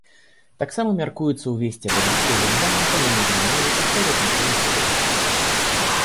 Таксама мяркуецца ўвесці абавязковы экзамен па замежнай мове пасля заканчэння сярэдняй школы.